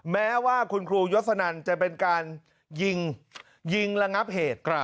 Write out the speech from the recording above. แม้ว่าคุณครูยศนันจะเป็นการยิงยิงระงับเหตุ